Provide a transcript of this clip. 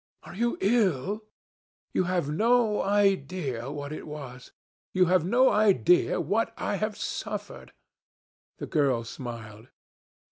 Are you ill? You have no idea what it was. You have no idea what I suffered." The girl smiled.